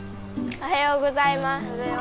おはようございます。